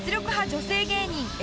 女性芸人Ａ